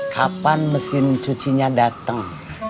kapan mesin cucinya dateng